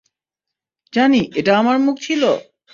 জানি, এটা আমার মুখ ছিল!